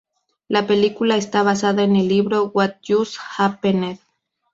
La película está basada en el libro "What Just Happened?